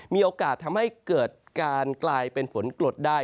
มีโอกาสทำให้เกิดการกลายเป็นฝนกรดได้